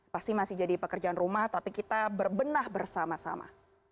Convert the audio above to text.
pasti masih jadi pekerjaan rumah tapi kita berbenah bersama sama